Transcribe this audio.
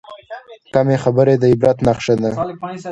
کمې خبرې، د عبرت نښه ده.